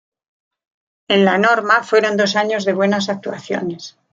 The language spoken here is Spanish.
En la Norma, fueron dos años de buenas actuaciones.